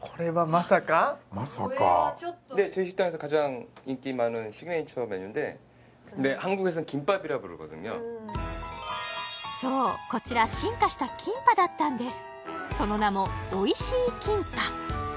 まさかこれはちょっとそうこちら進化したキンパだったんです